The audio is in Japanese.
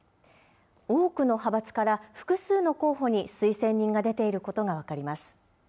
多くの派閥から複数の候補に推薦人が出ていることが分かります。